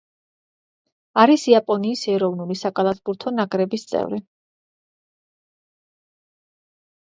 არის იაპონიის ეროვნული საკალათბურთო ნაკრების წევრი.